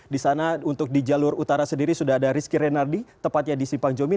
di sana untuk di jalur utara sendiri sudah ada rizky renardi tepatnya di simpang jomin